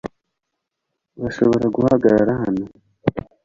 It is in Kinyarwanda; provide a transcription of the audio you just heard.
urashobora guhagarara hano